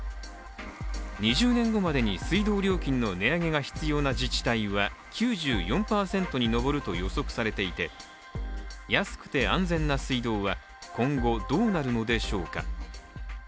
２０年後までに水道料金の値上げが必要な自治体は９４％に上ると予測されていて安くて安全な水道は今後どうなるのでしょうか。